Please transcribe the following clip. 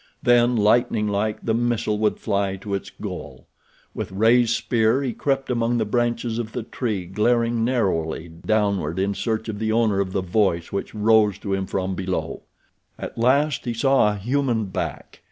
Then, lightning like, the missile would fly to its goal. With raised spear he crept among the branches of the tree glaring narrowly downward in search of the owner of the voice which rose to him from below. At last he saw a human back.